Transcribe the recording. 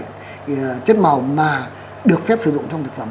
cái chất màu mà được phép sử dụng trong thực phẩm